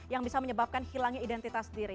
yang bisa menyebabkan hilangnya identitas diri